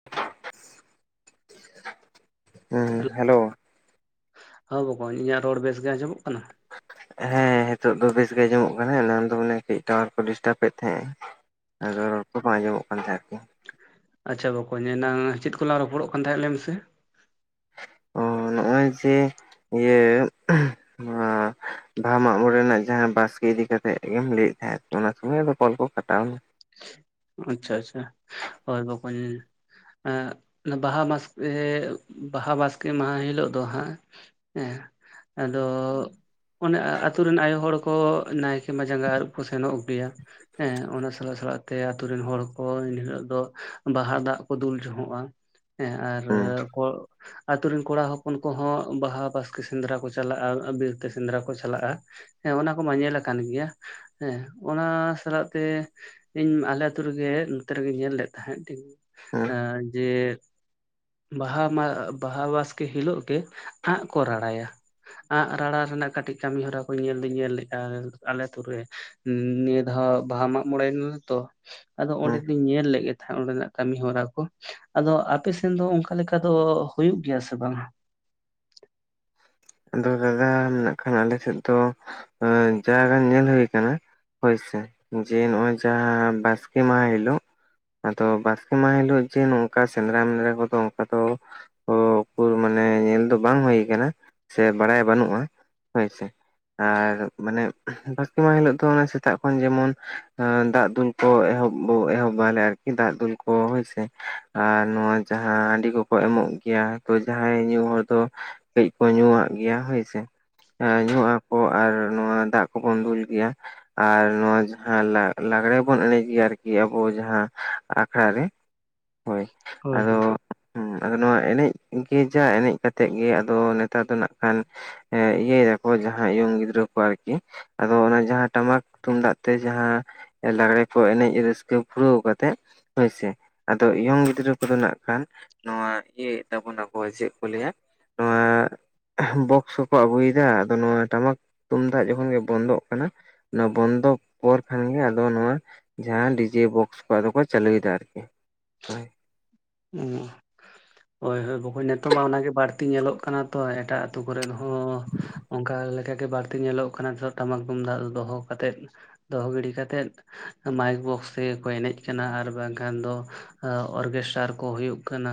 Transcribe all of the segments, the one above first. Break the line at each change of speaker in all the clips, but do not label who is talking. [inaudible]
ᱦᱮᱸ ᱦᱮᱞᱳ
ᱦᱮᱸ ᱵᱚᱠᱚᱧ ᱤᱧᱟᱹᱜ ᱨᱚᱲ ᱵᱮᱥ ᱜᱮ ᱟᱸᱡᱚᱢᱚᱜ ᱠᱟᱱᱟ?
ᱦᱮᱸ ᱦᱤᱛᱚᱜ ᱫᱚ ᱵᱮᱥ ᱜᱮ ᱟᱸᱡᱚᱢᱚᱜ ᱠᱟᱱᱟ᱾ ᱮᱱᱟᱱ ᱫᱚ ᱢᱟᱱᱮ ᱠᱟᱹᱡ ᱴᱟᱣᱟᱨ ᱠᱚ ᱰᱤᱥᱴᱟᱵ ᱮᱫ ᱛᱟᱦᱮᱸᱟᱭ᱾ ᱟᱫᱚ ᱨᱚᱲ ᱠᱚ ᱵᱟᱝ ᱟᱸᱡᱚᱢᱚᱜ ᱠᱟᱱ ᱛᱟᱦᱮᱸᱫ ᱟᱨᱠᱤ᱾
ᱟᱪᱪᱷᱟ ᱵᱚᱠᱚᱧ ᱮᱱᱟᱝ ᱪᱮᱫ ᱠᱚ ᱞᱟᱝ ᱨᱚᱯᱚᱲᱚᱜ ᱠᱟᱱ ᱛᱟᱦᱮᱸ ᱞᱟᱹᱭ ᱢᱮ ᱥᱮ
ᱚ ᱱᱚᱜᱼᱚᱭ ᱡᱮ ᱤᱭᱟᱹ ᱵᱟᱦᱟ ᱢᱟᱜᱽ ᱢᱚᱬᱮ ᱨᱮᱱᱟᱜ ᱡᱟᱦᱟᱸ ᱵᱟᱥᱠᱮ ᱤᱫᱤ ᱠᱟᱛᱮᱫ ᱜᱮᱢ ᱞᱟᱹᱭᱮᱫ ᱛᱟᱦᱮᱸᱫ ᱾ ᱚᱱᱟ ᱥᱚᱢᱚᱭ ᱟᱫᱚ ᱠᱚᱞ ᱠᱚ ᱠᱟᱴᱟᱣ ᱱᱟ᱾
ᱟᱪᱪᱷᱟ ᱟᱪᱪᱷᱟ ᱦᱳᱭ ᱵᱚᱠᱚᱧ ᱵᱟᱦᱟ ᱵᱟᱥᱠᱮ ᱵᱟᱦᱟ ᱵᱟᱥᱠᱮ ᱢᱟᱦᱟ ᱦᱤᱞᱳᱜ ᱫᱚ ᱦᱟᱸᱜ ᱦᱮᱸ ᱟᱫᱚ ᱚᱱᱮ ᱟᱛᱩ ᱨᱮᱱ ᱟᱭᱳ ᱦᱚᱲ ᱠᱚ ᱱᱟᱭᱠᱮ ᱢᱟ ᱡᱟᱸᱜᱟ ᱟᱹᱨᱩᱵ ᱠᱚ ᱥᱮᱱᱚᱜ ᱜᱮᱭᱟ᱾ ᱦᱮᱸ ᱚᱱᱟ ᱥᱟᱞᱟᱜ ᱥᱟᱞᱟᱜ ᱛᱮ ᱟᱛᱩ ᱨᱮᱱ ᱦᱚᱲ ᱠᱚ ᱮᱱᱦᱤᱞᱳᱜ ᱫᱚ ᱵᱟᱦᱟ ᱫᱟᱜ ᱠᱚ ᱫᱩᱞ ᱡᱷᱚᱜᱚᱸᱜᱼᱟ ᱦᱮᱸ ᱟᱨ
ᱦᱩᱸ
ᱠᱚᱲᱼᱼ ᱟᱛᱳ ᱨᱮᱱ ᱠᱚᱲᱟ ᱦᱚᱯᱚᱱ ᱠᱚᱦᱚᱸ ᱵᱟᱦᱟ ᱵᱟᱥᱠᱮ ᱥᱮᱸᱫᱽᱨᱟ ᱠᱚ ᱪᱟᱞᱟᱜᱼᱟ᱾ ᱵᱤᱨ ᱛᱮ ᱥᱮᱸᱫᱽᱨᱟ ᱠᱚ ᱪᱟᱞᱟᱜᱼᱟ᱾ ᱦᱮᱸ ᱚᱱᱟ ᱠᱚ ᱢᱟ ᱧᱮᱞ ᱟᱠᱟᱱ ᱜᱮᱭᱟ᱾ ᱦᱮᱸ ᱚᱱᱟ ᱥᱟᱞᱟᱜ ᱛᱮ ᱤᱧ ᱟᱞᱮ ᱟᱹᱛᱩ ᱨᱮᱜᱮ ᱱᱚᱛᱮ ᱨᱮᱜᱮᱧ ᱧᱮᱞ ᱞᱮᱫ ᱛᱟᱦᱮᱸᱫ
ᱦᱩᱸ
ᱡᱮ ᱵᱟᱦᱟ ᱵᱟᱦᱟ ᱵᱟᱥᱠᱮ ᱦᱤᱞᱳᱜ ᱜᱮ ᱟᱸᱜ ᱠᱚ ᱨᱟᱲᱟᱭᱟ᱾ ᱟᱸᱜ ᱨᱟᱲᱟ ᱨᱮᱱᱟᱜ ᱠᱟᱹᱴᱤᱡ ᱠᱟᱹᱢᱤ ᱦᱚᱨᱟ ᱠᱚ ᱧᱮᱞ ᱫᱚᱧ ᱧᱮᱞ ᱞᱮᱫᱼᱟ ᱟᱞᱮ ᱟᱛᱩ ᱨᱮ᱾ ᱱᱤᱭᱟᱹ ᱫᱷᱟᱣ ᱵᱟᱦᱟ ᱢᱟᱜ ᱢᱚᱬᱮᱭ ᱱᱟᱞᱮ ᱛᱚ ᱟᱫᱚ ᱚᱸᱰᱮ
ᱦᱩᱸ
ᱫᱚᱧ ᱧᱮᱞ ᱞᱮᱫ ᱜᱮ ᱛᱟᱦᱮᱸᱫ ᱚᱸᱰᱮᱱᱟᱜ ᱠᱟᱹᱢᱤ ᱦᱚᱨᱟ ᱠᱚ᱾ ᱟᱫᱚ ᱟᱯᱮᱥᱮᱱ ᱫᱚ ᱚᱱᱠᱟ ᱞᱮᱠᱟ ᱫᱚ ᱦᱩᱭᱩᱜ ᱜᱮᱭᱟ ᱥᱮ ᱵᱟᱝ?
ᱟᱫᱚ ᱫᱟᱫᱟ ᱱᱟᱜ ᱠᱷᱟᱱ ᱫᱚ ᱟᱞᱮᱥᱮᱫ ᱫᱚ ᱡᱟ ᱜᱟᱱ ᱧᱮᱞ ᱦᱩᱭ ᱠᱟᱱᱟ ᱦᱳᱭ ᱥᱮ ᱡᱮ ᱱᱚᱜᱼᱚᱭ ᱡᱟᱦᱟᱸ ᱵᱟᱥᱠᱮ ᱢᱟᱦᱟ ᱦᱤᱞᱳᱜ ᱟᱫᱚ ᱵᱟᱥᱠᱮ ᱢᱟᱦᱟ ᱦᱤᱞᱳᱜ ᱡᱮ ᱱᱚᱝᱠᱟ ᱥᱮᱸᱫᱽᱨᱟ ᱢᱮᱱᱫᱽᱨᱟ ᱠᱚ ᱫᱚ ᱚᱱᱠᱟ ᱫᱚ ᱚ ᱩᱠᱩᱨ ᱢᱟᱱᱮ ᱧᱮᱞ ᱫᱚ ᱵᱟᱝ ᱦᱩᱭ ᱟᱠᱟᱱᱟ᱾ ᱥᱮ ᱵᱟᱲᱟᱭ ᱵᱟᱹᱱᱩᱜᱼᱟ ᱦᱳᱭᱥᱮ᱾ ᱟᱨ ᱢᱟᱱᱮ ᱵᱟᱥᱠᱮ ᱢᱟᱦᱟ ᱦᱤᱞᱳᱜ ᱫᱚ ᱚᱱᱟ ᱥᱮᱛᱟᱜ ᱠᱷᱚᱱ ᱡᱮᱢᱚᱱ ᱫᱟᱜ ᱫᱩᱞ ᱠᱚ ᱮᱦᱚᱵ ᱮᱦᱚᱵᱟᱞᱮ ᱟᱨᱠᱤ ᱫᱟᱜ ᱫᱩᱞ ᱠᱚ ᱦᱳᱭᱥᱮ, ᱟᱨ ᱱᱚᱣᱟ ᱡᱟᱦᱟᱸ ᱦᱟᱺᱰᱤ ᱠᱚ ᱠᱚ ᱮᱢᱚᱜ ᱜᱮᱭᱟ ᱛᱚ ᱡᱟᱦᱟᱭ ᱧᱩ ᱦᱚᱲ ᱫᱚ ᱠᱟᱹᱡ ᱠᱚ ᱧᱩᱣᱟᱜ ᱜᱮᱭᱟ ᱦᱳᱭᱥᱮ, ᱧᱩ ᱟᱠᱚ ᱟᱨ ᱱᱚᱣᱟ ᱫᱟᱜ ᱠᱚ ᱵᱚᱱ ᱫᱩᱞ ᱜᱮᱭᱟ᱾ ᱟᱨ ᱱᱚᱣᱟ ᱡᱟᱦᱟᱸ ᱞᱟᱜᱽᱲᱮ ᱵᱚᱱ ᱮᱱᱮᱡ ᱜᱮᱭᱟ ᱟᱨᱠᱤ ᱟᱵᱚ ᱡᱟᱦᱟᱸ ᱟᱠᱷᱲᱟ ᱨᱮ ᱦᱳᱭ
ᱦᱳᱭ
ᱟᱫᱚ
ᱦᱳᱭ
ᱦᱮᱸ ᱟᱫᱚ ᱱᱚᱣᱟ ᱮᱱᱮᱡ ᱜᱮ ᱡᱟ ᱮᱱᱮᱡ ᱠᱟᱛᱮᱜ ᱜᱮ ᱟᱫᱚ ᱱᱮᱛᱟᱨ ᱫᱚ ᱱᱟᱜ ᱠᱷᱟᱱ ᱮ ᱤᱭᱟᱹᱭ ᱫᱟ ᱠᱚ ᱡᱟᱦᱟᱸᱭ ᱤᱭᱚᱝ ᱜᱤᱫᱽᱨᱟᱹ ᱠᱚ ᱟᱨᱠᱤ᱾ ᱟᱫᱚ ᱚᱱᱟ ᱡᱟᱦᱟᱸ ᱴᱟᱢᱟᱠ ᱛᱩᱢᱫᱟᱜ ᱛᱮ ᱡᱟᱦᱟᱸ ᱞᱟᱜᱽᱲᱮ ᱠᱚ ᱮᱱᱮᱡ ᱨᱟᱹᱥᱠᱟᱹ ᱯᱩᱨᱟᱹᱣ ᱠᱟᱛᱮᱜ ᱦᱳᱭᱥᱮ ᱟᱫᱚ ᱤᱭᱚᱝ ᱜᱤᱫᱽᱨᱟᱹ ᱠᱚᱫᱚ ᱱᱟᱜ ᱠᱷᱟᱱ ᱱᱚᱣᱟ ᱤᱭᱟᱹ ᱭᱮᱜ ᱛᱟᱵᱚᱱᱟ ᱠᱚ ᱪᱮᱫ ᱠᱚ ᱞᱟᱹᱭᱟ ᱱᱚᱣᱟ ᱵᱚᱠᱥ ᱠᱚᱠᱚ ᱟᱹᱜᱩᱭᱮᱫᱟ᱾ ᱟᱫᱚ ᱱᱚᱣᱟ ᱴᱟᱢᱟᱠ ᱛᱩᱢᱫᱟᱜ ᱡᱚᱠᱷᱚᱱ ᱜᱮ ᱵᱚᱱᱫᱚᱜ ᱠᱟᱱᱟ ᱱᱚᱣᱟ ᱵᱚᱱᱫᱚ ᱯᱚᱨ ᱠᱷᱟᱱ ᱜᱮ ᱟᱫᱚ ᱱᱚᱣᱟ ᱡᱟᱦᱟᱸ ᱰᱤᱡᱮ ᱵᱚᱠᱥ ᱠᱚ ᱟᱫᱚ ᱠᱚ ᱪᱟᱹᱞᱩᱭᱮᱫᱟ ᱟᱨᱠᱤ᱾ ᱦᱳᱭ
ᱦᱳᱭ ᱦᱳᱭ ᱵᱚᱠᱚᱧ ᱱᱤᱛᱚᱜ ᱢᱟ ᱚᱱᱟᱜ ᱜᱮ ᱵᱟᱹᱲᱛᱤ ᱧᱮᱞᱚᱜ ᱠᱟᱱᱟ ᱛᱚ ᱮᱴᱟᱜ ᱟᱛᱳ ᱠᱚᱨᱮᱫ ᱦᱚᱸ᱾ ᱦᱚᱸ ᱚᱱᱠᱟ ᱞᱮᱠᱟ ᱜᱮ ᱵᱟᱹᱲᱛᱤ ᱧᱮᱞᱚᱜ ᱠᱟᱱᱟ ᱱᱤᱛᱚᱜ ᱴᱟᱢᱟᱠ ᱛᱩᱢᱫᱟᱜ ᱫᱚᱦᱚ ᱠᱟᱛᱮᱫ ᱫᱚᱦᱚ ᱜᱤᱲᱤ ᱠᱟᱛᱮᱫ ᱢᱟᱭᱤᱠ ᱵᱚᱠᱥ ᱛᱮᱜᱮ ᱠᱚ ᱮᱱᱮᱡ ᱠᱟᱱᱟ᱾ ᱟᱨ ᱵᱟᱝᱠᱷᱟᱱ ᱫᱚ ᱚᱨᱜᱮᱥᱴᱟᱨ, ᱠᱚ ᱦᱳᱭᱳᱜ ᱠᱟᱱᱟ᱾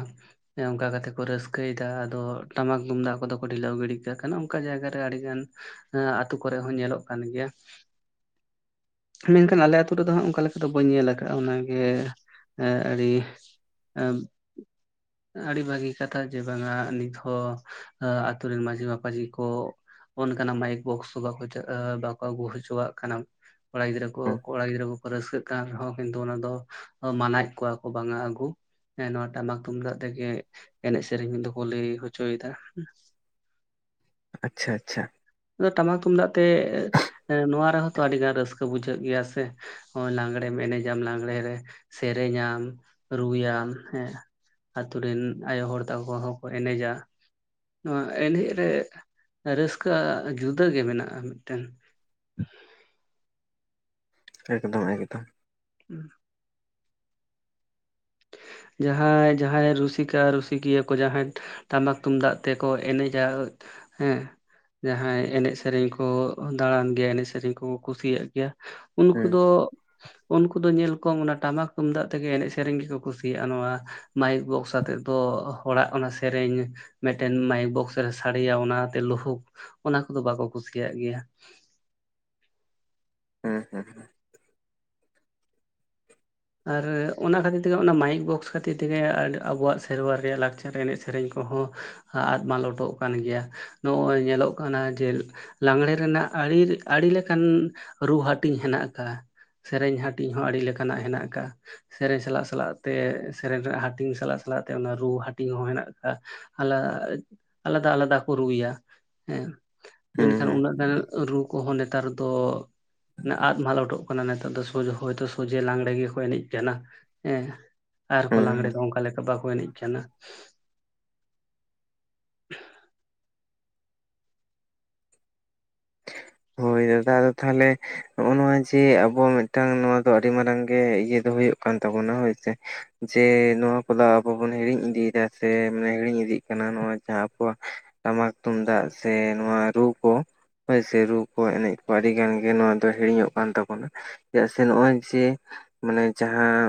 ᱚᱱᱠᱟ ᱠᱟᱛᱮ ᱠᱚ ᱨᱟᱹᱥᱠᱟᱹᱭᱫᱟ᱾ ᱟᱫᱚ ᱴᱟᱢᱟᱠ ᱛᱩᱢᱫᱟᱜ ᱠᱚᱫᱚ ᱠᱚ ᱰᱷᱤᱞᱟᱹᱣ ᱜᱤᱰᱤ ᱠᱟᱜ ᱠᱟᱱᱟ᱾ ᱚᱱᱠᱟ ᱡᱟᱭᱜᱟ ᱨᱮ ᱟᱹᱰᱤ ᱜᱟᱱ ᱮᱸ ᱟᱹᱛᱩ ᱠᱚ ᱨᱮ ᱦᱚᱸ ᱧᱮᱞᱚᱜ ᱠᱟᱱ ᱜᱮᱭᱟ᱾ ᱢᱮᱱᱠᱷᱟᱱ ᱟᱞᱮ ᱟᱹᱛᱩ ᱨᱮᱫᱚ ᱦᱟᱸᱜ ᱚᱱᱠᱟ ᱞᱮᱠᱟ ᱫᱚ ᱵᱟᱹᱧ ᱧᱮᱞ ᱟᱠᱟᱜᱼᱟ᱾ ᱚᱱᱟᱜᱮ ᱮᱸ ᱟᱹᱲᱤ ᱮᱜ ᱟᱹᱰᱤ ᱵᱷᱟᱹᱜᱤ ᱠᱟᱛᱷᱟ ᱡᱮ ᱵᱟᱝᱟ ᱱᱤᱛ ᱦᱚᱸ ᱟᱛᱩ ᱨᱮᱱ ᱢᱟᱺᱡᱷᱤ ᱢᱟᱯᱟᱡᱤ ᱠᱚ ᱚᱱᱠᱟᱱᱟᱜ ᱢᱟᱭᱤᱠ ᱵᱚᱠᱥ ᱵᱟᱠᱚ ᱟᱹᱜᱩ ᱦᱚᱪᱚᱣᱟᱜ ᱠᱟᱱᱟ ᱠᱚᱲᱟ ᱜᱤᱫᱽᱨᱟᱹ ᱠᱚ
ᱦᱩᱸ
ᱠᱚᱲᱟ ᱜᱤᱫᱽᱨᱟᱹ ᱠᱚᱠᱚ ᱨᱟᱹᱥᱠᱟᱹᱜ ᱠᱟᱱ ᱨᱮᱦᱚᱸ ᱠᱤᱱᱛᱩ ᱚᱱᱟ ᱫᱚ ᱢᱟᱱᱟᱭᱮᱫ ᱠᱚᱣᱟ ᱠᱚ ᱵᱟᱝᱟ ᱟᱹᱜᱩ ᱦᱮᱸ ᱱᱚᱣᱟ ᱴᱟᱢᱟᱠ ᱛᱩᱢᱫᱟᱜ ᱛᱮᱜᱮ ᱮᱱᱮᱡ ᱥᱮᱨᱮᱧ ᱫᱚᱠᱚ ᱞᱟᱹᱭ ᱦᱚᱪᱚᱭᱮᱫᱟ᱾
ᱟᱪᱪᱷᱟ ᱟᱪᱪᱷᱟ
ᱟᱫᱚ ᱴᱟᱢᱟᱠ ᱛᱩᱢᱫᱟᱜ ᱛᱮ ᱮ ᱱᱚᱶᱟ ᱨᱮᱦᱚᱸ ᱛᱚ ᱟᱹᱰᱤ ᱜᱟᱱ ᱨᱟᱹᱥᱠᱟᱹ ᱵᱩᱡᱷᱟᱹᱜ ᱜᱮᱭᱟ ᱥᱮ ᱱᱚᱜᱚᱸᱭ ᱞᱟᱜᱽᱲᱮᱢ ᱮᱱᱮᱡᱟᱢ ᱞᱟᱜᱽᱲᱮ ᱨᱮ ᱥᱮᱨᱮᱧᱟᱢ ᱨᱩᱭᱟᱢ ᱦᱮᱸ ᱟᱛᱳ ᱨᱮᱱ ᱟᱭᱳ ᱦᱚᱲ ᱛᱟᱠᱚ ᱦᱚᱸᱠᱚ ᱮᱱᱮᱡᱟ ᱱᱚᱣᱟ ᱮᱱᱮᱡ ᱨᱮ ᱨᱟᱹᱥᱠᱟᱹ ᱡᱩᱫᱟᱹ ᱜᱮ ᱢᱮᱱᱟᱜᱼᱟ ᱢᱤᱫᱴᱮᱱ
ᱮᱠᱫᱚᱢ ᱮᱠᱫᱚᱢ
ᱦᱮᱸ ᱡᱟᱦᱟᱸᱭ ᱡᱟᱦᱟᱸᱭ ᱨᱩᱥᱤᱠᱟ ᱨᱩᱥᱤᱠᱤᱭᱟᱹ ᱠᱚ ᱡᱟᱦᱟᱸᱭ ᱴᱟᱢᱟᱠ ᱛᱩᱢᱫᱟᱜ ᱛᱮᱠᱚ ᱮᱱᱮᱡᱟ ᱦᱮᱸ ᱡᱟᱦᱟᱸᱭ ᱮᱱᱮᱡ ᱥᱮᱨᱮᱧ ᱠᱚ ᱫᱟᱬᱟᱱ ᱜᱮᱭᱟ ᱮᱱᱮᱡ ᱥᱮᱨᱮᱧ ᱠᱚᱠᱚ ᱠᱩᱥᱤᱭᱟᱜ ᱜᱮᱭᱟ ᱩᱱᱠᱩ
ᱦᱩᱸ
ᱫᱚ ᱩᱱᱠᱩ ᱫᱚ ᱧᱮᱞ ᱠᱚᱢ ᱚᱱᱟ ᱴᱟᱢᱟᱠ ᱛᱩᱢᱫᱟᱜ ᱛᱮᱜᱮ ᱮᱱᱮᱡ ᱥᱮᱨᱮᱧ ᱜᱮᱠᱚ ᱠᱩᱥᱤᱭᱟᱜᱼᱟ ᱱᱚᱣᱟ ᱢᱟᱭᱤᱠ ᱵᱚᱠᱥ ᱟᱛᱮᱫ ᱫᱚ ᱦᱚᱲᱟᱜ ᱚᱱᱟ ᱥᱮᱨᱮᱧ ᱢᱤᱫᱴᱮᱱ ᱢᱟᱭᱤᱠ ᱵᱚᱠᱥ ᱨᱮ ᱥᱟᱲᱤᱭᱟ ᱚᱱᱟᱛᱮ ᱞᱩᱦᱩᱠ ᱚᱱᱟ ᱠᱚᱫᱚ ᱵᱟᱠᱚ ᱠᱩᱥᱤᱭᱟᱜ ᱜᱮᱭᱟ
ᱦᱮᱸ ᱦᱮᱸ ᱦᱮᱸ
ᱟᱨ ᱚᱱᱟ ᱠᱷᱟᱹᱛᱤᱨ ᱛᱮᱜᱮ ᱚᱱᱟ ᱢᱟᱭᱤᱠ ᱵᱚᱠᱥ ᱠᱷᱟᱹᱛᱤᱨ ᱛᱮᱜᱮ ᱟᱹᱰᱤ ᱟᱵᱚᱣᱟᱜ ᱥᱮᱨᱣᱟ ᱨᱮᱭᱟᱜ ᱞᱟᱠᱪᱟᱨ ᱮᱱᱮᱡ ᱥᱮᱨᱮᱧ ᱠᱚᱦᱚᱸ ᱟᱫ ᱢᱟᱞᱚᱴᱚᱜ ᱠᱟᱱ ᱜᱮᱭᱟ ᱱᱚᱜᱼᱚᱭ ᱧᱮᱞᱚᱜ ᱠᱟᱱᱟ ᱡᱮ ᱞᱟᱜᱽᱬᱮ ᱨᱮᱱᱟᱜ ᱟᱹᱰᱤ ᱟᱹᱰᱤ ᱞᱮᱠᱟᱱ ᱨᱩ ᱦᱟᱹᱴᱤᱧ ᱢᱮᱱᱟᱜ ᱟᱠᱟᱫᱼᱟ ᱥᱮᱨᱮᱧ ᱦᱟᱹᱴᱤᱧ ᱦᱚᱸ ᱟᱹᱰᱤ ᱞᱮᱠᱟᱱᱟᱜ ᱦᱮᱱᱟᱜ ᱟᱠᱟᱜᱼᱟ ᱥᱮᱨᱮᱧ ᱥᱟᱞᱟᱜ ᱥᱟᱞᱟᱜ ᱛᱮ ᱥᱮᱨᱮᱧ ᱨᱮᱱᱟᱜ ᱦᱟᱹᱴᱤᱧ ᱥᱟᱞᱟᱜ ᱥᱟᱞᱟᱜ ᱛᱮ ᱚᱱᱟ ᱨᱩ ᱦᱟᱹᱴᱤᱧ ᱦᱚᱸ ᱢᱮᱱᱟᱜ ᱟᱠᱟᱫᱟ ᱟᱞᱟᱫᱟ ᱟᱞᱟᱫᱟ ᱠᱚ ᱨᱩᱭᱟ ᱦᱮᱸ
ᱦᱩᱸ
ᱢᱮᱱᱠᱷᱟᱱ
ᱦᱩᱸ
ᱩᱱᱟᱹᱜ ᱜᱟᱱ ᱨᱩ ᱠᱚᱦᱚᱸ ᱱᱮᱛᱟᱨ ᱫᱚ ᱟᱫ ᱢᱟᱞᱚᱴᱚᱜ ᱠᱟᱱᱟ ᱱᱮᱛᱟᱨ ᱫᱚ ᱥᱚᱡᱷᱮ ᱦᱚᱭ ᱛᱚ ᱥᱚᱡᱷᱮ ᱞᱟᱜᱽᱲᱮ ᱜᱮ ᱮᱱᱮᱡ ᱠᱟᱱᱟ ᱦᱮᱸ ᱟᱨ ᱠᱚ
ᱦᱩᱸ
ᱞᱟᱜᱽᱲᱮ
ᱦᱩᱸ
ᱫᱚ ᱚᱱᱠᱟ ᱞᱮᱠᱟ ᱵᱟᱠᱚ ᱮᱱᱮᱡ ᱠᱟᱱᱟ
ᱦᱳᱭ ᱫᱟᱫᱟ ᱟᱫᱚ ᱛᱟᱦᱚᱞᱮ ᱱᱚᱜᱼᱚ ᱱᱚᱣᱟ ᱡᱮ ᱟᱵᱚ ᱢᱤᱫᱴᱟᱝ ᱱᱚᱣᱟ ᱫᱚ ᱟᱹᱰᱤ ᱢᱟᱨᱟᱝ ᱜᱮ ᱤᱭᱟᱹ ᱫᱚ ᱦᱩᱭᱩᱜ ᱠᱟᱱ ᱛᱟᱵᱚᱱᱟ ᱦᱚᱭ ᱥᱮ ᱡᱮ ᱱᱚᱣᱟ ᱠᱚᱫᱚ ᱟᱵᱚ ᱵᱚᱱ ᱦᱤᱲᱤᱧ ᱤᱫᱤᱭᱮᱫᱟ ᱥᱮ ᱦᱤᱲᱤᱧ ᱤᱫᱤᱜ ᱠᱟᱱᱟ ᱱᱚᱣᱟ ᱡᱟᱦᱟᱸ ᱟᱵᱚᱣᱟᱜ ᱴᱟᱢᱟᱠ ᱛᱩᱢᱫᱟᱜ ᱥᱮ ᱱᱚᱣᱟ ᱨᱩ ᱠᱚ ᱦᱳᱭ ᱥᱮ ᱨᱩ ᱠᱚ ᱮᱱᱮᱡ ᱠᱚ ᱟᱹᱰᱤ ᱜᱟᱱ ᱜᱮ ᱱᱚᱣᱟ ᱫᱚ ᱦᱤᱲᱤᱧᱚᱜ ᱠᱟᱱ ᱛᱟᱵᱚᱱᱟ ᱪᱮᱫᱟᱜ ᱥᱮ ᱱᱚᱜᱼᱚᱭ ᱡᱮ ᱢᱟᱱᱮ ᱡᱟᱦᱟᱸ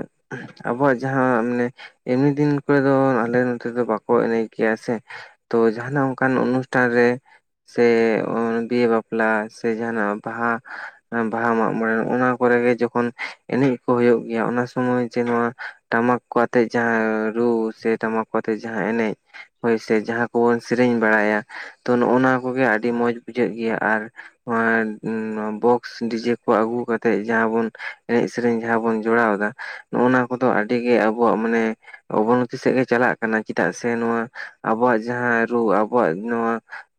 ᱟᱵᱚᱣᱟᱜ ᱡᱟᱦᱟᱸ ᱢᱟᱱᱮ ᱮᱢᱱᱤ ᱫᱤᱱ ᱠᱚᱨᱮ ᱫᱚ ᱟᱞᱮ ᱱᱚᱛᱮ ᱫᱚ ᱵᱟᱠᱚ ᱮᱱᱮᱡ ᱜᱮᱭᱟ ᱥᱮ ᱛᱚ ᱡᱟᱦᱱᱟᱜ ᱚᱱᱠᱟᱱ ᱚᱱᱩᱥᱴᱷᱟᱱ ᱨᱮ ᱥᱮ ᱵᱤᱦᱟᱹ ᱵᱟᱯᱞᱟ ᱥᱮ ᱡᱟᱦᱟᱱᱟᱜ ᱵᱟᱦᱟ ᱵᱟᱦᱟ ᱢᱟᱜ ᱢᱚᱬᱮ ᱚᱱᱟ ᱠᱚᱨᱮᱜ ᱡᱚᱠᱷᱚᱱ ᱮᱱᱮᱡ ᱠᱚ ᱦᱩᱭᱩᱜ ᱜᱮᱭᱟ ᱚᱱᱟ ᱥᱚᱢᱚᱭ ᱡᱮ ᱱᱚᱣᱟ ᱴᱟᱢᱟᱠ ᱠᱚ ᱟᱛᱮᱜ ᱡᱟᱦᱟᱸ ᱨᱩ ᱥᱮ ᱴᱟᱢᱟᱠ ᱠᱚ ᱟᱛᱮᱜ ᱡᱟᱦᱟᱸ ᱮᱱᱮᱡ ᱦᱳᱭ ᱥᱮ ᱡᱟᱦᱟᱸ ᱠᱚᱵᱚᱱ ᱥᱮᱨᱮᱧ ᱵᱟᱲᱟᱭᱟ ᱛᱚ ᱱᱚᱜᱼ ᱱᱚᱶᱟ ᱠᱚᱜᱮ ᱟᱹᱰᱤ ᱢᱚᱸᱡ ᱵᱩᱡᱷᱟᱹᱜ ᱜᱮᱭᱟ ᱟᱨ ᱵᱚᱠᱥ ᱰᱤᱡᱮ ᱠᱚ ᱟᱹᱜᱩ ᱠᱟᱛᱮᱜ ᱡᱟᱸᱦᱟ ᱵᱚᱱ ᱮᱱᱮᱡ ᱥᱮᱹᱨᱮᱧ ᱡᱟᱸ ᱵᱚᱱ ᱡᱚᱲᱟᱣ ᱮᱫᱟ ᱱᱚᱜᱼᱱᱟ ᱠᱚᱫᱚ ᱟᱹᱰᱤ ᱜᱮ ᱟᱵᱚᱣᱟᱜ ᱢᱟᱱᱮ ᱚᱵᱚᱱᱚᱛᱚᱛᱤ ᱥᱮᱫ ᱜᱮ ᱪᱟᱞᱟᱜ ᱠᱟᱱᱟ ᱪᱮᱫᱟᱜ ᱥᱮ ᱱᱚᱣᱟ ᱟᱵᱚᱣᱟᱜ ᱡᱟᱦᱟᱸ ᱨᱩ ᱟᱵᱚᱣᱟᱜ ᱱᱚᱣᱟ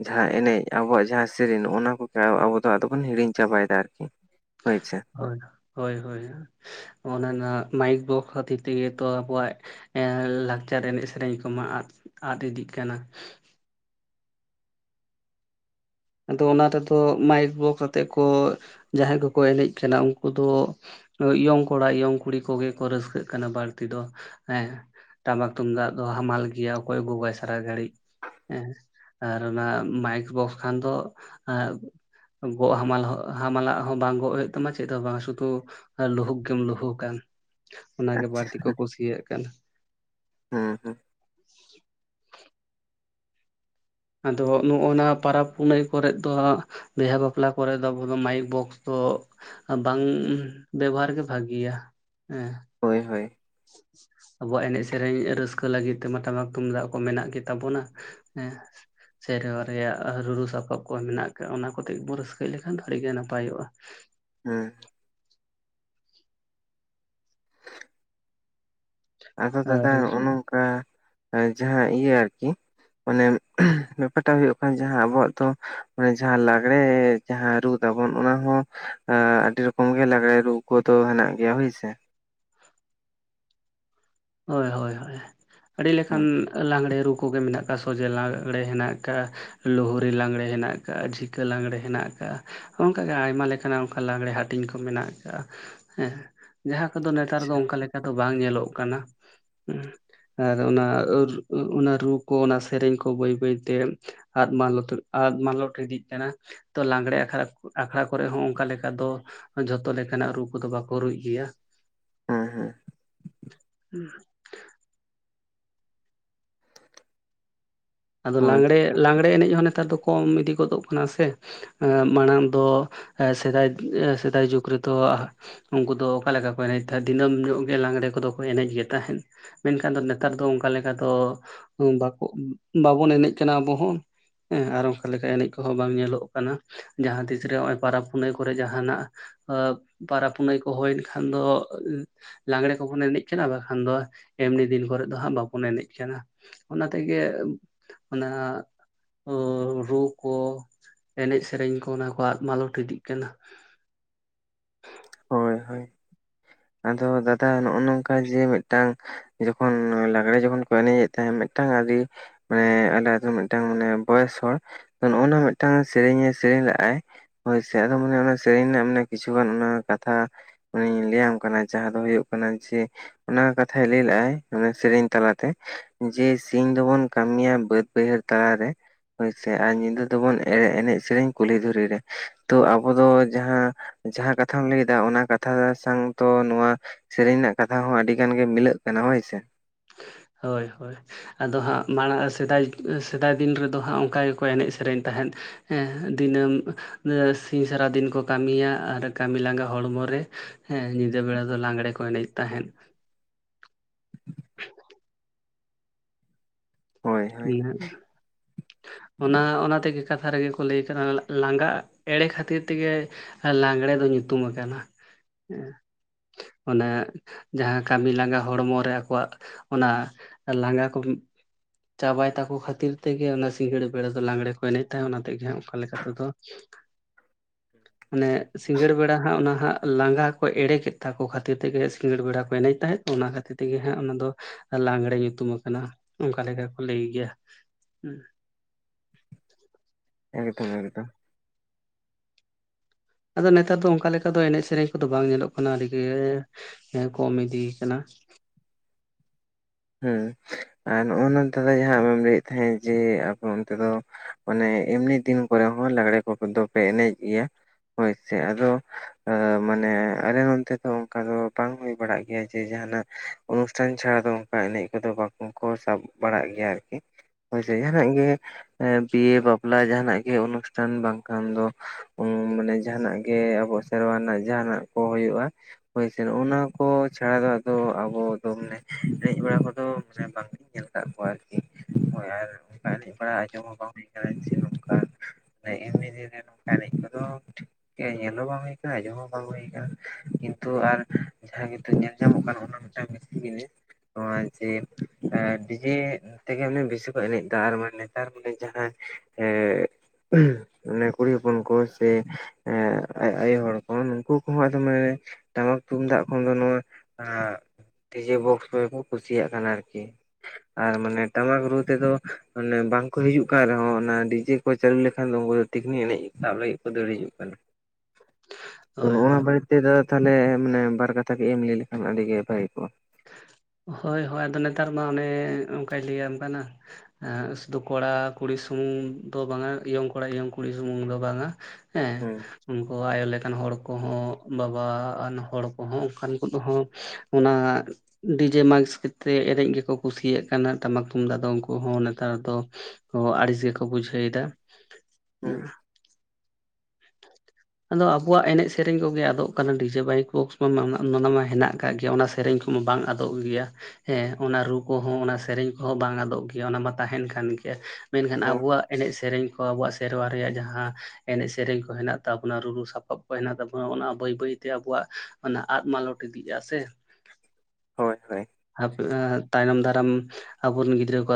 ᱡᱟᱦᱟᱸ ᱮᱱᱮᱡ ᱟᱵᱚᱣᱟᱜ ᱡᱟᱦᱟᱸ ᱥᱮᱨᱮᱧ ᱱᱚᱜᱼᱱᱟ ᱠᱚ ᱟᱵᱚ ᱫᱚ ᱟᱫᱚ ᱵᱚᱱ ᱦᱤᱲᱤᱧ ᱪᱟᱵᱟᱭᱮᱫᱟ ᱟᱨᱠᱤ ᱦᱳᱭᱥᱮ
ᱦᱭ ᱦᱳᱭ ᱦᱳᱭ ᱚᱱᱟ ᱢᱟᱭᱤᱠ ᱵᱚᱠᱥ ᱠᱷᱟᱹᱛᱤᱨ ᱛᱮᱜᱮ ᱛᱚ ᱟᱵᱚᱣᱟᱜ ᱮᱸᱜ ᱞᱟᱠᱪᱟᱨ ᱮᱱᱮᱡ ᱥᱮᱨᱮᱧ ᱠᱚᱢᱟ ᱟᱫ ᱟᱫ ᱤᱫᱤᱜ ᱠᱟᱱᱟ ᱟᱫᱚ ᱚᱱᱟ ᱨᱮᱫᱚ ᱢᱟᱭᱤᱠ ᱵᱚᱠᱥ ᱟᱛᱮᱜ ᱠᱚ ᱡᱟᱦᱟᱸᱭ ᱠᱚᱠᱚ ᱮᱱᱮᱡ ᱠᱟᱱᱟ ᱩᱱᱠᱩ ᱫᱚ ᱭᱚᱝ ᱠᱚᱲᱟ ᱤᱭᱚᱝ ᱠᱩᱲᱤ ᱠᱚᱜᱮ ᱠᱚ ᱨᱟᱹᱥᱠᱟᱹᱜ ᱠᱟᱱᱟ ᱵᱟᱹᱲᱛᱤ ᱫᱚ ᱦᱮᱸ ᱴᱟᱢᱟᱠ ᱛᱩᱢᱫᱟᱜ ᱫᱚ ᱦᱟᱢᱟᱞ ᱜᱮᱭᱟ ᱚᱠᱚᱭ ᱜᱚ ᱜᱟᱭ ᱥᱟᱨᱟ ᱜᱷᱟᱹᱲᱤᱡ ᱦᱮᱸ ᱟᱨ ᱚᱱᱟ ᱢᱟᱭᱤᱠ ᱵᱚᱠᱥ ᱠᱷᱟᱱ ᱫᱚ ᱮ ᱜᱚᱜ ᱦᱟᱢᱟᱞ ᱦᱟᱢᱟᱞᱟᱜ ᱦᱚᱸ ᱵᱟᱝ ᱜᱚᱜ ᱦᱩᱭᱩᱜ ᱛᱟᱢᱟ ᱪᱮᱫ ᱦᱚᱸ ᱵᱟᱝ ᱥᱩᱫᱩ ᱟᱨ ᱞᱩᱦᱩᱠ ᱜᱮᱢ ᱞᱩᱦᱩ ᱟ ᱚᱱᱟᱜᱼᱮ
ᱟᱪᱪᱷᱟ
ᱵᱟᱹᱲᱛᱤ ᱠᱚ ᱠᱩᱥᱤᱭᱟᱜ ᱠᱟᱱᱟ
ᱦᱮᱸ ᱦᱮᱸ
[unintelligible] ᱟᱫᱚ ᱱᱚᱜᱼᱚ ᱱᱟ ᱯᱟᱨᱚᱵᱽ ᱯᱩᱱᱟᱹᱭ ᱠᱚᱨᱮᱫ ᱫᱚ ᱵᱤᱦᱟᱹ ᱵᱟᱯᱞᱟ ᱠᱚᱨᱮ ᱫᱚ ᱟᱵᱚ ᱫᱚ ᱢᱟᱭᱤᱠ ᱵᱚᱠᱥ ᱫᱚ ᱟᱨ ᱵᱟᱝ ᱵᱮᱵᱚᱦᱟᱨ ᱜᱮ ᱵᱷᱟᱹᱜᱤᱭᱟ ᱦᱮᱸ
ᱦᱳᱭ ᱦᱳᱭ
ᱟᱵᱚᱣᱟᱜ ᱮᱱᱮᱡ ᱥᱮᱨᱮᱧ ᱨᱟᱹᱥᱠᱟᱹ ᱞᱟᱹᱜᱤᱫ ᱛᱮ ᱢᱟ ᱴᱟᱢᱟᱠ ᱛᱩᱢᱫᱟᱜ ᱠᱚ ᱢᱮᱱᱟᱜ ᱜᱮᱛᱟᱵᱚᱱᱟ ᱦᱮᱸ ᱥᱮᱨᱣᱟ ᱨᱮᱭᱟᱜ ᱨᱩᱨᱩ ᱥᱟᱯᱟᱵ ᱠᱚ ᱢᱮᱱᱟᱜ ᱠᱟᱜ ᱚᱱᱟ ᱠᱚᱛᱮ ᱜᱮ ᱵᱚᱱ ᱨᱟᱹᱥᱠᱟᱹᱭ ᱞᱮᱠᱷᱟᱱ ᱟᱹᱰᱤᱜᱮ ᱱᱟᱯᱟᱭᱚᱜᱼᱟ
ᱦᱮᱸ ᱟᱫᱚ
ᱟᱨ
ᱫᱟᱫᱟ ᱱᱚᱜᱼᱚ ᱱᱚᱝᱠᱟ ᱡᱟᱦᱟᱸ ᱤᱭᱟᱹ ᱟᱨᱠᱤ ᱚᱱᱮ ᱵᱮᱯᱟᱨᱴᱟᱜ ᱦᱩᱭᱩᱜ ᱠᱟᱱᱟ ᱡᱟᱦᱟᱸ ᱟᱵᱚᱣᱟᱜ ᱛᱚ ᱢᱟᱱᱮ ᱡᱟᱦᱟᱸ ᱞᱟᱜᱽᱲᱮ ᱡᱟᱦᱟᱸ ᱨᱩ ᱛᱟᱵᱚᱱ ᱚᱱᱟ ᱦᱚ ᱟᱹᱰᱤ ᱨᱚᱠᱚᱢ ᱜᱮ ᱞᱟᱜᱽᱲᱮ ᱨᱩ ᱠᱚ ᱫᱚ ᱦᱮᱱᱟᱜ ᱜᱮᱭᱟ ᱦᱳᱭ ᱥᱮ
ᱦᱳᱭ ᱦᱳᱭ ᱦᱳᱭ ᱟᱹᱰᱤ ᱞᱮᱠᱟᱱ
ᱦᱮᱸ
ᱞᱟᱜᱽᱲᱮ ᱨᱩ ᱠᱩ ᱜᱮ ᱢᱮᱱᱟᱜ ᱠᱟᱜᱼᱟ ᱥᱚᱡᱦᱮ ᱞᱟᱜᱽᱲᱮ ᱦᱮᱱᱟᱜ ᱠᱟᱜᱼᱟ ᱞᱩᱷᱩᱲᱤ ᱞᱟᱜᱽᱲᱮ ᱦᱮᱱᱟᱜ ᱠᱟᱜᱼᱟ ᱡᱷᱤᱠᱟᱹ ᱞᱟᱜᱽᱲᱮ ᱦᱮᱱᱟᱜ ᱠᱟᱜᱼᱟ ᱦᱚᱸ ᱚᱝᱠᱟᱜᱮ ᱟᱭᱢᱟ ᱞᱮᱠᱟᱱᱟᱜ ᱚᱱᱠᱟ ᱞᱟᱜᱽᱬᱮ ᱦᱟᱹᱴᱤᱧ ᱠᱚ ᱢᱮᱱᱟᱜ ᱟᱠᱟᱜᱼᱟ ᱦᱮᱸ ᱡᱟᱦᱟᱸ ᱟᱫᱚ ᱱᱮᱛᱟᱨ ᱫᱚ ᱚᱱᱠᱟ ᱞᱮᱠᱟ ᱫᱚ ᱵᱟᱝ ᱧᱮᱞᱚᱜ ᱠᱟᱱᱟ ᱟᱨ ᱚᱱᱟ ᱚᱱᱟ ᱨᱩ ᱠᱚ ᱚᱱᱟ ᱥᱮᱨᱮᱧ ᱠᱚ ᱵᱟᱹᱭ ᱵᱟᱹᱭᱛᱮ ᱟᱫ ᱢᱟᱞᱚᱛ ᱟᱫ ᱢᱟᱞᱚᱴ ᱤᱫᱤᱜ ᱠᱟᱱᱟ ᱛᱚ ᱞᱟᱜᱽᱬᱮ ᱟᱠᱷᱲᱟ ᱟᱠᱷᱲᱟ ᱠᱚᱨᱮᱜ ᱦᱚᱸ ᱚᱱᱠᱟ ᱞᱮᱠᱟ ᱫᱚ ᱡᱷᱚᱛᱚ ᱞᱮᱠᱟᱱᱟᱜ ᱨᱩ ᱠᱚᱫᱚ ᱵᱟᱠᱚ ᱨᱩᱭ ᱜᱮᱭᱟ
ᱦᱮᱸ ᱦᱮᱸ
[inaudible] ᱟᱫᱚ
ᱦᱳᱭ
ᱞᱟᱸᱜᱽᱲᱮ ᱞᱟᱸᱜᱽᱲᱮ ᱮᱱᱮᱡ ᱦᱚᱸ ᱱᱮᱛᱟᱨ ᱫᱚ ᱠᱚᱢ ᱤᱫᱤ ᱜᱚᱫᱚᱜ ᱠᱟᱱᱟ ᱥᱮ ᱮᱸ ᱢᱟᱲᱟᱝ ᱫᱚ ᱥᱮᱫᱟᱭ ᱥᱮᱫᱟᱭ ᱡᱩᱜᱽ ᱨᱮᱫᱚ ᱩᱱᱠᱩ ᱫᱚ ᱚᱠᱟ ᱞᱮᱠᱟ ᱠᱚ ᱮᱱᱮᱡ ᱛᱟᱦᱮᱸᱫ ᱫᱤᱱᱟᱹᱢ ᱧᱚᱜ ᱜᱮ ᱞᱟᱸᱜᱽᱲᱮ ᱠᱚᱫᱚ ᱠᱚ ᱮᱱᱮᱡ ᱜᱮ ᱛᱟᱦᱮᱸᱫ ᱢᱮᱱᱠᱷᱟᱱ ᱫᱚ ᱱᱮᱛᱟᱨ ᱫᱚ ᱚᱱᱠᱟ ᱞᱮᱠᱟ ᱫᱚ ᱵᱟᱵᱚᱱ ᱮᱱᱮᱡ ᱠᱟᱱᱟ ᱟᱵᱚ ᱦᱚᱸ ᱦᱮᱸ ᱟᱨ ᱚᱱᱠᱟ ᱞᱮᱠᱟ ᱮᱱᱮᱡ ᱠᱚᱦᱚᱸ ᱵᱟᱝ ᱧᱮᱞᱚᱜ ᱠᱟᱱᱟ ᱡᱟᱦᱟᱸ ᱛᱤᱥᱨᱮ ᱱᱚᱜᱼᱚᱭ ᱯᱚᱨᱚᱵᱽ ᱯᱩᱱᱟᱹᱭ ᱠᱚᱨᱮᱜ ᱡᱟᱦᱟᱱᱟᱜ ᱯᱚᱨᱚᱵ ᱯᱩᱱᱟᱹᱭ ᱠᱚ ᱦᱩᱭᱮᱱ ᱠᱷᱟᱱ ᱫᱚ ᱞᱟᱜᱽᱲᱮ ᱠᱚᱵᱚᱱ ᱮᱱᱮᱡ ᱠᱟᱱᱟ ᱵᱟᱠᱷᱟᱱ ᱫᱚ ᱮᱢᱱᱤ ᱫᱤᱱ ᱠᱚᱨᱮ ᱫᱚ ᱦᱟᱸᱜ ᱵᱟᱵᱚᱱ ᱮᱱᱮᱡ ᱠᱟᱱᱟ ᱚᱱᱟ ᱛᱮᱜᱮ ᱚᱱᱟ ᱷᱳ ᱨᱩ ᱠᱚ ᱮᱱᱮᱡ ᱥᱮᱨᱮᱧ ᱠᱚ ᱚᱱᱟ ᱠᱚ ᱟᱫ ᱢᱟᱞᱚᱴ ᱤᱫᱤᱜ ᱠᱟᱱᱟ
ᱦᱳᱭ ᱦᱳᱭ ᱟᱫᱚ ᱫᱟᱫᱟ ᱱᱚᱜᱼᱚ ᱱᱚᱝᱠᱟ ᱡᱮ ᱢᱤᱫᱴᱟᱝ ᱡᱚᱠᱷᱚᱱ ᱞᱟᱜᱽᱲᱮ ᱡᱚᱠᱷᱚᱱ ᱠᱚ ᱮᱱᱮᱡᱮᱫ ᱛᱟᱦᱮᱸᱫ ᱢᱤᱫᱴᱟᱝ ᱟᱹᱨᱤ ᱢᱟᱱᱮ ᱟᱞᱮ ᱟᱛᱳ ᱢᱤᱫᱴᱟᱝ ᱵᱚᱭᱮᱥ ᱦᱚᱲ ᱱᱚᱜᱼᱚ ᱱᱚᱣᱟ ᱢᱤᱫᱴᱟᱝ ᱥᱮᱨᱮᱧᱮ ᱥᱮᱨᱮᱹᱧ ᱞᱟᱜᱼᱟᱭ ᱦᱳᱭ ᱥᱮ ᱟᱫᱚ ᱢᱟᱱᱮ ᱚᱱᱟ ᱥᱮᱨᱮᱧ ᱨᱮᱱᱟᱜ ᱢᱟᱱᱮ ᱠᱤᱪᱷᱩ ᱜᱟᱱ ᱚᱱᱟ ᱠᱟᱛᱷᱟ ᱢᱟᱱᱤᱧ ᱞᱟᱹᱭᱟᱢ ᱠᱟᱱᱟ ᱡᱟᱦᱟᱸ ᱫᱚ ᱦᱩᱭᱩᱜ ᱠᱟᱱᱟ ᱡᱮ ᱚᱱᱟ ᱠᱚ ᱠᱟᱛᱷᱟᱭ ᱞᱟᱹᱭ ᱞᱟᱜᱼᱟᱭ ᱥᱮᱨᱮᱧ ᱛᱟᱞᱟᱛᱮ ᱡᱮ ᱥᱤᱧ ᱫᱚᱵᱚᱱ ᱠᱟᱹᱢᱤᱭᱟ ᱵᱟᱹᱫ ᱵᱟᱹᱭᱦᱟᱹᱲ ᱛᱟᱞᱟᱨᱮ ᱦᱳᱭᱥᱮ ᱟᱨ ᱧᱤᱫᱟᱹ ᱫᱚᱵᱚᱱ ᱮ ᱮᱱᱮᱡ ᱥᱮᱨᱮᱧ ᱠᱩᱞᱦᱤ ᱫᱷᱚᱨᱤ ᱨᱮ ᱛᱚ ᱟᱵᱚ ᱫᱚ ᱡᱟᱦᱟᱸ ᱡᱟᱦᱟᱸ ᱠᱟᱛᱷᱟᱢ ᱞᱟᱹᱭᱟ ᱫᱟ ᱚᱱᱟ ᱠᱟᱛᱷᱟ ᱥᱟᱝ ᱛᱚ ᱱᱚᱣᱟ ᱥᱮᱨᱮᱧ ᱨᱮᱱᱟᱜ ᱠᱟᱛᱷᱟ ᱦᱚᱸ ᱟᱹᱰᱤ ᱜᱟᱱ ᱜᱮ ᱢᱤᱞᱟᱹᱜ ᱠᱟᱱᱟ ᱦᱳᱭᱥᱮ
ᱦᱳᱭ ᱦᱳᱭ ᱟᱫᱚ ᱦᱟᱸᱜ ᱢᱟᱲᱟᱝ ᱥᱮᱫᱟᱭ ᱥᱮᱫᱟᱭ ᱫᱤᱱ ᱨᱮᱫᱚ ᱦᱟᱸᱜ ᱚᱱᱠᱟ ᱜᱮᱠᱚ ᱮᱱᱮᱡ ᱥᱮᱨᱮᱧ ᱛᱟᱦᱮᱸᱫ ᱦᱮᱸ ᱫᱤᱱᱟᱹᱢ ᱥᱤᱧ ᱥᱟᱨᱟᱫᱤᱱ ᱠᱚ ᱠᱟᱹᱢᱤᱭᱟ ᱟᱨ ᱠᱟᱹᱢᱤ ᱞᱟᱸᱜᱟ ᱦᱚᱲᱢᱚ ᱨᱮ ᱦᱮᱸ ᱧᱤᱫᱟᱹ ᱵᱮᱲᱟ ᱫᱚ ᱞᱟᱜᱽᱲᱮ ᱠᱚ ᱮᱱᱮᱡ ᱛᱟᱦᱮᱸᱫ
ᱦᱳᱭ ᱦᱳᱭ
[inaudible] ᱚᱱᱟ ᱚᱱᱟ ᱛᱮᱜᱮ ᱠᱟᱛᱷᱟ ᱨᱮᱜᱮ ᱠᱚ ᱞᱟᱹᱭ ᱠᱟᱫᱟ ᱞᱟᱸᱜᱟ ᱮᱲᱮ ᱠᱷᱟᱹᱛᱤᱨ ᱛᱮᱜᱮ ᱞᱟᱜᱽᱲᱮ ᱫᱚ ᱧᱩᱛᱩᱢ ᱠᱟᱱᱟ ᱚᱱᱮ ᱡᱟᱦᱟᱸ ᱠᱟᱹᱢᱤ ᱞᱟᱸᱜᱟ ᱦᱚᱲᱢᱚ ᱨᱮ ᱟᱠᱚᱣᱟᱜ ᱚᱱᱟ ᱞᱟᱸᱜᱟ ᱠᱚ ᱪᱟᱵᱟᱭ ᱛᱟᱠᱚ ᱠᱷᱟᱹᱛᱤᱨ ᱛᱮᱜᱮ ᱚᱱᱟ ᱥᱤᱸᱜᱟᱹᱲ ᱵᱮᱲᱟ ᱫᱚ ᱞᱟᱜᱽᱲᱮ ᱠᱚ ᱮᱱᱮᱡ ᱛᱟᱦᱮᱸ ᱚᱱᱟ ᱛᱮᱜᱮ ᱦᱟᱜ ᱚᱱᱠᱟ ᱞᱮᱠᱟ ᱛᱮᱫᱚ ᱢᱟᱱᱮ ᱥᱤᱸᱜᱟᱹᱲ ᱵᱮᱲᱟ ᱦᱟᱸᱜ ᱚᱱᱟ ᱦᱟᱸᱜ ᱞᱟᱸᱜᱟ ᱠᱚ ᱮᱲᱮᱠ ᱮᱫ ᱛᱟᱠᱚ ᱠᱷᱟᱹᱛᱤᱨ ᱛᱮᱜᱮ ᱥᱤᱸᱜᱟᱹᱲ ᱵᱮᱲᱟ ᱠᱚ ᱮᱱᱮᱡ ᱛᱟᱦᱮᱸᱫ ᱚᱱᱟ ᱠᱷᱟᱹᱛᱤᱨ ᱛᱮᱜᱮ ᱦᱟᱸᱜ ᱚᱱᱟ ᱫᱚ ᱞᱟᱜᱽᱲᱮ ᱧᱩᱛᱩᱢ ᱠᱟᱱᱟ ᱚᱱᱠᱟ ᱞᱮᱠᱟ ᱠᱚ ᱞᱟᱹᱭ ᱜᱮᱭᱟ
ᱮᱠᱫᱚᱢ ᱮᱠᱫᱚᱢ
ᱟᱫᱚ ᱱᱮᱛᱟᱨ ᱫᱚ ᱚᱱᱠᱟ ᱞᱮᱠᱟ ᱫᱚ ᱮᱱᱮᱡ ᱥᱮᱨᱮᱧ ᱠᱚᱫᱚ ᱵᱟᱝ ᱧᱮᱞᱚᱜ ᱠᱟᱱᱟ ᱟᱹᱰᱤ ᱜᱮ ᱠᱚᱢ ᱤᱫᱤᱭ ᱠᱟᱱᱟ
ᱦᱮᱸ ᱟᱨ ᱱᱚᱜᱼᱚ ᱱᱚᱛᱮ ᱡᱟᱦᱟᱸ ᱟᱢᱮᱢ ᱞᱟᱹᱭᱮᱫ ᱛᱟᱦᱮᱸᱫ ᱡᱮ ᱟᱯᱮ ᱚᱱᱛᱮ ᱫᱚ ᱢᱚᱱᱮ ᱮᱢᱱᱤ ᱫᱤᱱ ᱠᱚᱨᱮ ᱦᱚᱸ ᱞᱟᱜᱽᱲᱮ ᱠᱚ ᱫᱚᱯᱮ ᱮᱱᱮᱡ ᱜᱮᱭᱟ ᱦᱳᱭᱥᱮ ᱟᱫᱚ ᱢᱟᱱᱮ ᱟᱞᱮ ᱱᱚᱱᱛᱮ ᱫᱚ ᱚᱱᱠᱟ ᱫᱚ ᱵᱟᱝ ᱦᱩᱭ ᱵᱟᱲᱟᱜ ᱜᱮᱭᱟ ᱡᱮ ᱡᱟᱦᱟᱱᱟᱜ ᱚᱱᱩᱥᱴᱷᱟᱱ ᱪᱷᱟᱲᱟ ᱫᱚ ᱚᱱᱠᱟ ᱮᱱᱮᱡ ᱠᱚᱫᱚ ᱵᱟᱠᱚ ᱥᱟᱵ ᱵᱟᱲᱟᱜ ᱜᱮᱭᱟ ᱟᱨᱠᱤ ᱦᱚᱳᱥᱮ ᱡᱟᱦᱟᱱᱟᱜ ᱜᱮ ᱮᱸ ᱵᱤᱭᱮ ᱵᱟᱯᱞᱟ ᱡᱟᱦᱱᱟᱜ ᱜᱮ ᱚᱱᱩᱥᱴᱷᱟᱱ ᱵᱟᱝᱠᱷᱟᱱ ᱫᱚ ᱢᱟᱱᱮ ᱡᱟᱦᱟᱱᱟᱜ ᱜᱮ ᱟᱵᱚ ᱥᱮᱨᱣᱟ ᱨᱮᱱᱟᱜ ᱡᱟᱦᱟᱱᱟᱜ ᱠᱚ ᱦᱩᱭᱩᱜᱼᱟ ᱦᱳᱭ ᱥᱮ ᱚᱱᱟ ᱠᱚ ᱪᱷᱟᱲᱟ ᱫᱚ ᱟᱫᱚ ᱟᱵᱚ ᱫᱚ ᱢᱟᱱᱮ ᱮᱱᱮᱡ ᱵᱟᱲᱟ ᱠᱚᱫᱚ ᱢᱟᱱᱮ ᱵᱟᱝᱞᱤᱧ ᱧᱮᱞ ᱟᱠᱟᱫ ᱠᱚᱣᱟ ᱟᱨᱠᱤ ᱦᱳᱭ ᱟᱨ ᱚᱱᱠᱟ ᱮᱱᱮᱡ ᱵᱟᱲᱟ ᱟᱸᱡᱚᱢ ᱦᱚᱸ ᱵᱟᱝ ᱦᱩᱭ ᱠᱟᱱᱟ ᱡᱮ ᱱᱚᱝᱠᱟ ᱮᱢᱱᱤ ᱫᱤᱱ ᱨᱮ ᱮᱱᱮᱡ ᱠᱚᱫᱚ ᱧᱮᱞ ᱦᱚᱸ ᱵᱟᱝ ᱦᱩᱭ ᱟᱠᱟᱱᱟ ᱟᱸᱡᱚᱢ ᱦᱚᱸ ᱵᱟᱝ ᱦᱩᱭ ᱟᱠᱟᱱᱟ ᱠᱤᱱᱛᱩ ᱟᱨ ᱡᱟᱦᱟᱸ ᱠᱤᱱᱛᱩ ᱧᱮᱞ ᱧᱟᱢ [inaudible] ᱱᱚᱣᱟ ᱡᱮ ᱟᱨ ᱰᱤᱡᱮ ᱛᱮᱜᱮ ᱢᱟᱱᱮ ᱵᱮᱥᱤ ᱠᱚ ᱮᱱᱮᱡ ᱮᱫᱟ ᱟᱨ ᱢᱟᱱ ᱱᱮᱛᱟᱨ ᱢᱟᱱᱮ ᱡᱟᱦᱟᱸ ᱚᱱᱮ ᱠᱩᱲᱤ ᱦᱚᱯᱚᱱ ᱠᱚ ᱥᱮ ᱮ ᱟᱭᱳ ᱦᱚᱲ ᱠᱚ ᱱᱩᱠᱩ ᱠᱚᱦᱚᱸᱟᱫᱚ ᱢᱟᱱᱮ ᱴᱟᱢᱟᱠ ᱛᱩᱢᱫᱟᱜ ᱠᱷᱚᱱ ᱫᱚ ᱱᱚᱣᱟ ᱰᱤᱡᱮ ᱵᱚᱠᱥ ᱠᱚᱜᱮᱠᱚ ᱠᱩᱥᱤᱭᱟᱜ ᱠᱟᱱᱟ ᱟᱨᱠᱤ ᱟᱨ ᱢᱟᱱᱮ ᱴᱟᱢᱟᱠ ᱨᱩ ᱛᱮᱫᱚ ᱵᱟᱝᱠᱚ ᱦᱤᱡᱩᱜ ᱠᱟᱱ ᱨᱮᱦᱚᱸ ᱚᱱᱟ ᱰᱤᱡᱮ ᱠᱚ ᱪᱟᱹᱞᱩ ᱞᱮᱠᱷᱟᱱ ᱫᱚ ᱩᱱᱠᱩ ᱫᱚ ᱛᱤᱠᱷᱱᱤ ᱮᱱᱮᱡ ᱥᱟᱵ ᱞᱟᱹᱜᱤᱫ ᱠᱚ ᱫᱟᱹᱲ ᱦᱤᱡᱩᱜ ᱠᱟᱱᱟ ᱱᱚᱜᱼ
ᱦᱳᱭ
ᱱᱚᱣᱟ
ᱦᱳᱭ
ᱵᱟᱨᱮ ᱛᱮᱫᱚ ᱛᱟᱦᱞᱮ ᱢᱟᱱᱮ ᱵᱟᱨ ᱠᱟᱛᱷᱟ ᱠᱚᱹᱡ ᱮᱢ ᱞᱟᱹᱭ ᱞᱮᱠᱷᱟᱱ ᱟᱹᱰᱤᱜᱮ ᱵᱷᱟᱹᱜᱤ ᱠᱚᱜᱼᱟ
ᱦᱳᱭ ᱦᱳᱭ ᱟᱫᱚ ᱱᱮᱛᱟᱨ ᱢᱟ ᱚᱱᱮ ᱚᱱᱠᱟᱭ ᱞᱟᱹᱭᱟᱢ ᱠᱟᱱᱟ ᱮ ᱥᱩᱫᱷᱩ ᱠᱚᱲᱟᱼ ᱠᱩᱲᱤ ᱥᱩᱢᱩᱝ ᱫᱚ ᱵᱟᱝᱟ ᱤᱭᱚᱝ ᱠᱚᱲᱟ ᱤᱭᱚᱝ ᱠᱩᱲᱤ ᱥᱩᱢᱩᱝ ᱫᱚ ᱵᱟᱝᱟ ᱦᱮᱸ
ᱦᱩᱸ
ᱩᱱᱠᱩ ᱟᱭᱳ ᱞᱮᱠᱟᱱ ᱦᱚᱲ ᱠᱚᱦᱚᱸ ᱵᱟᱵᱟᱣᱟᱱ ᱦᱚᱲ ᱠᱚᱦᱚᱸ ᱚᱱᱠᱟᱱ ᱠᱚ ᱦᱚᱸ ᱚᱱᱟ ᱰᱤᱡᱮ ᱢᱟᱭᱤᱠᱥ ᱛᱮ ᱮᱱᱮᱡ ᱜᱮᱠᱚ ᱠᱩᱥᱤᱭᱟᱜ ᱠᱟᱱᱟ ᱴᱟᱢᱟᱠ ᱛᱩᱢᱫᱟᱜ ᱫᱚ ᱩᱱᱠᱩ ᱦᱚᱸ ᱱᱮᱛᱟᱨ ᱫᱚ ᱚ ᱟᱹᱲᱤᱥ ᱜᱮᱠᱚ ᱵᱩᱡᱷᱟᱹᱣ ᱫᱟ
ᱦᱩᱸ
ᱟᱫᱚ ᱟᱵᱚᱣᱟᱜ ᱮᱱᱮᱡ ᱥᱮᱨᱮᱧ ᱠᱚᱜᱮ ᱟᱫᱚᱜ ᱠᱟᱱᱟ ᱰᱤᱡᱮ ᱵᱟᱭᱤᱠ ᱵᱚᱠᱥ ᱢᱟ ᱦᱮᱱᱟᱜ ᱟᱠᱟᱫ ᱜᱮᱭᱟ ᱚᱱᱟ ᱥᱮᱨᱮᱧ ᱠᱚᱢᱟ ᱵᱟᱝ ᱟᱫᱚᱜ ᱜᱮᱭᱟ᱾ ᱦᱮᱸ ᱚᱱᱟ ᱨᱩ ᱠᱚᱦᱚᱸ ᱚᱱᱟ ᱥᱮᱨᱮᱧ ᱠᱚᱦᱚᱸ ᱵᱟᱝ ᱟᱫᱚᱜ ᱜᱮᱭᱟ ᱚᱱᱟ ᱢᱟ ᱛᱟᱦᱮᱱ ᱠᱟᱱ ᱜᱮᱭᱟ᱾ ᱢᱮᱱᱠᱷᱟᱱ
ᱦᱳᱭ
ᱟᱵᱚᱣᱟᱜ ᱮᱱᱮᱡ ᱥᱮᱨᱮᱧ ᱠᱚ ᱟᱵᱚᱣᱟᱜ ᱥᱮᱨᱣᱟ ᱨᱮᱭᱟᱜ ᱡᱟᱦᱟᱸ ᱮᱱᱮᱡ ᱥᱮᱨᱮᱧ ᱠᱚ ᱦᱮᱱᱟᱜ ᱛᱟᱵᱚᱱᱟ ᱨᱩᱨᱩ ᱥᱟᱯᱟᱵ ᱠᱚ ᱦᱮᱱᱟᱜ ᱛᱟᱵᱚᱱᱟ ᱚᱱᱟ ᱵᱟᱹᱭ ᱵᱟᱹᱭᱛᱮ ᱟᱵᱚᱣᱟᱜ ᱚᱱᱟ ᱟᱫᱽ ᱢᱟᱞᱚᱴ ᱤᱫᱤᱜᱼᱟ ᱥᱮ
[inaudible] ᱦᱳᱭ
ᱛᱟᱭᱱᱚᱢ ᱫᱟᱨᱟᱢ ᱟᱵᱚᱨᱮᱱ ᱜᱤᱫᱽᱨᱟᱹ ᱠᱚᱣᱟᱜ